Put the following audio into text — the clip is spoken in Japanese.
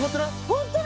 本当だ。